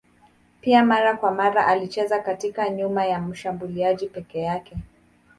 Pia mara kwa mara alicheza katikati nyuma ya mshambuliaji peke yake.